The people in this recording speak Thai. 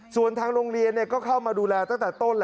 ส่วนทางโรงเรียนก็เข้ามาดูแลตั้งแต่ต้น